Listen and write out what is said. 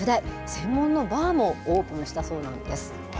専門のバーもオープンしたそうなんです。